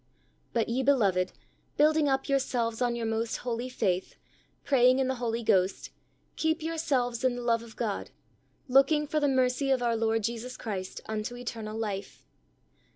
"But ye beloved, building up yourselves on your most holy faith, praying in the Holy Ghost, keep yourselves in the love of God, looking for the mercy of our Lord Jesus Christ unto eternal life